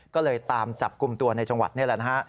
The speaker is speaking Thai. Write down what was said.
ก็เลยตามจับกลุ่มตัวในจังหวัดนี่แหละนะฮะ